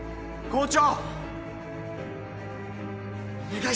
校長。